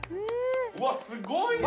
うわっすごいな！